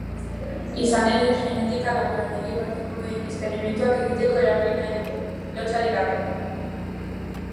Izan ere, genetika-laborategi batekoek esperimentuak egiteko erabili nahi dute, lotsarik gabe.